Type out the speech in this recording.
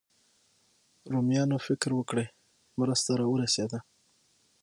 رومیان فکر وکړي مرسته راورسېده.